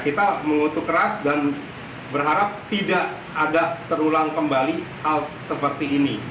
kita mengutuk keras dan berharap tidak ada terulang kembali hal seperti ini